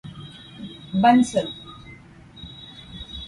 Bansal.